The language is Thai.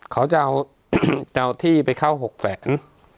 เขาจะเอาที่ไปเข้า๖แสน